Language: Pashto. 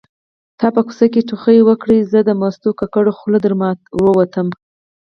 تا په کوڅه کې ټوخی وکړ زه د مستو ککړه خوله در ووتمه